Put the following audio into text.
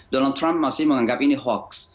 donald trump masih menganggap ini hoax